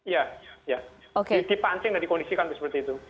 ya dipancing dan dikondisikan seperti itu